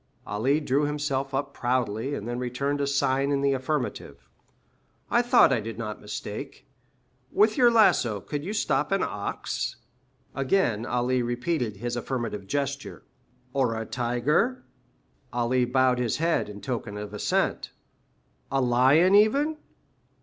Ali drew himself up proudly, and then returned a sign in the affirmative. "I thought I did not mistake. With your lasso you could stop an ox?" Again Ali repeated his affirmative gesture. "Or a tiger?" Ali bowed his head in token of assent. "A lion even?"